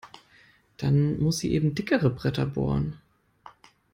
Dann muss sie eben dickere Bretter bohren.